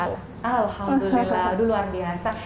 alhamdulillah aduh luar biasa